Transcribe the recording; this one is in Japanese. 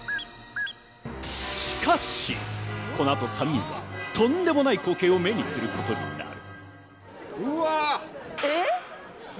しかし、このあと３人はとんでもない光景を目にすることになる。